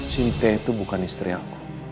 sinte itu bukan istri aku